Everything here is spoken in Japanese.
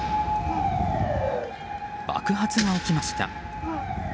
爆発が起きました。